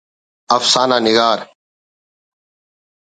افسانہ نگار